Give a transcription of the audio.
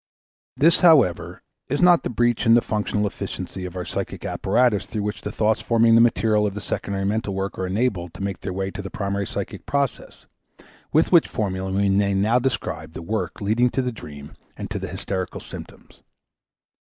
This, however, is not the breach in the functional efficiency of our psychic apparatus through which the thoughts forming the material of the secondary mental work are enabled to make their way into the primary psychic process with which formula we may now describe the work leading to the dream and to the hysterical symptoms.